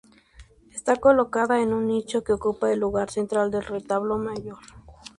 Está colocada en un nicho que ocupa el lugar central del retablo mayor.